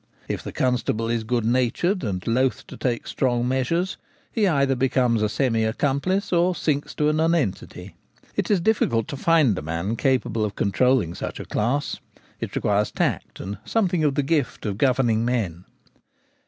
If the constable is good natured, and loth to take strong measures, he either becomes a semi accomplice or sinks to a nonentity. It is difficult to find a man capable of controlling such a class ; it requires tact, and something of the gift of governing men.